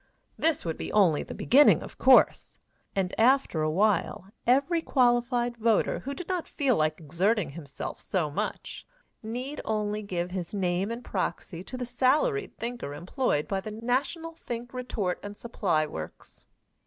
This would only be the beginning, of course, and after a while every qualified voter who did not feel like exerting himself so much, need only give his name and proxy to the salaried thinker employed by the National Think Retort and Supply Works.